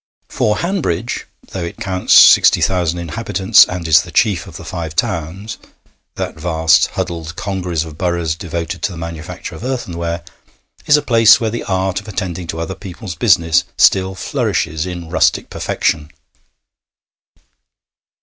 For Hanbridge, though it counts sixty thousand inhabitants, and is the chief of the Five Towns that vast, huddled congeries of boroughs devoted to the manufacture of earthenware is a place where the art of attending to other people's business still flourishes in rustic perfection.